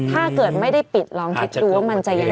ถ้าเกิดไม่ได้ปิดลองคิดดูว่ามันจะยังไง